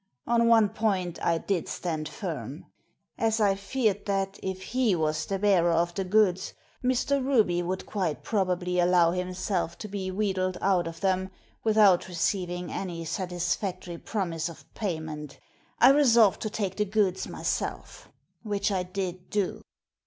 On one point I did stand firm. As I feared that, if he was the bearer of the goods, Mr. Ruby would quite probably allow himself to be wheedled out of them, without receiving any satisfactory promise of payment, I resolved to take the goods mysel£ Which I did do."